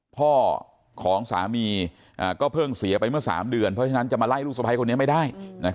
พ่อของสามีก็เพิ่งเสียไปเมื่อ๓เดือนเพราะฉะนั้นจะมาไล่ลูกสะพ้ายคนนี้ไม่ได้